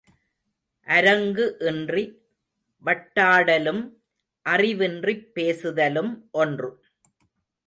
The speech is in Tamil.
அரங்கு இன்றி வட்டாடலும் அறிவின்றிப் பேசுதலும் ஒன்று.